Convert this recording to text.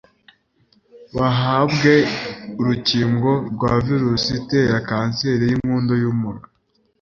bahabwe urukingo rwa virusi itera kanseri y'inkondo y'umura.